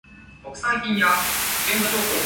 不愧係整蠱專家